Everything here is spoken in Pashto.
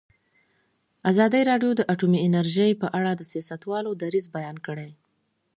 ازادي راډیو د اټومي انرژي په اړه د سیاستوالو دریځ بیان کړی.